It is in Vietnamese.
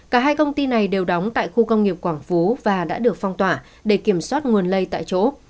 cả hai công ty này đều đóng tại khu công nghiệp quảng phú và đã được phong tỏa để kiểm soát nguồn lây tại chỗ